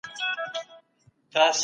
اسلام علم ته ډېر درناوی لري.